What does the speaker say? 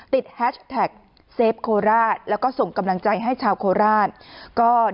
แฮชแท็กเซฟโคราชแล้วก็ส่งกำลังใจให้ชาวโคราช